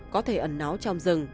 có thể ẩn náo trong rừng